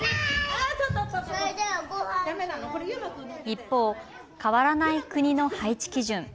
一方、変わらない国の配置基準。